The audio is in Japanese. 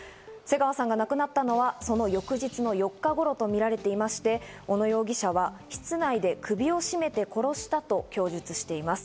瀬川さんが亡くなったのはその翌日の４日頃だとみられていまして、小野容疑者は室内で首を絞めて殺したと供述しています。